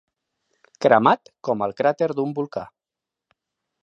Cremat com el cràter d'un volcà.